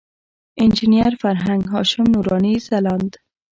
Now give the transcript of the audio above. انجینر فرهنګ، هاشم نوراني، ځلاند.